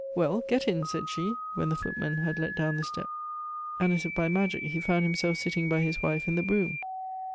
"Well, get in!" said she, when the footman had let down the step. And as if by magic, he found himself sitting by his wife in the brougham.